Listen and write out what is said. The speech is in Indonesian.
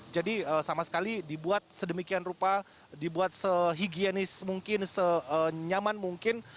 jadi sama sekali dibuat sedemikian rupa dibuat sehigienis mungkin senyaman mungkin